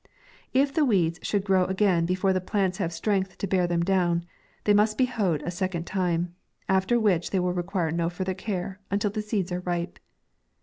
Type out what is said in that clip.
If the weeds should grow again before the plants have strength to bear them down, they must be hoed a second time ; after which they will require no further care, until the seeds are ripe.